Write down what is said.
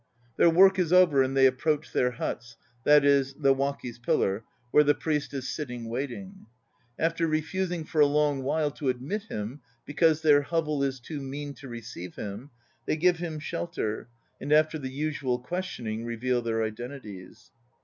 Their work is over and they approach their huts, i. e., the "waki's pillar," where the priest is sitting waiting. After refusing for a long while to admit him "because their hovel is too mean to receive him," they give him shelter, and after the usual questioning, reveal their identities.